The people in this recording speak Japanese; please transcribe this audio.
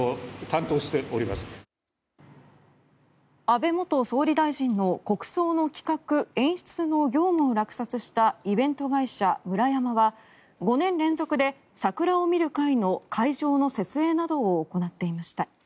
安倍元総理大臣の国葬の企画・演出の業務を落札したイベント会社ムラヤマは５年連続で桜を見る会の会場の設営などを行っていました。